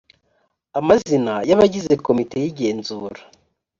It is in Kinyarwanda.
amazina y abagize komite y igenzura